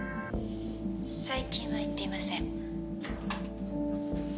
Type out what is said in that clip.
「最近は行っていません」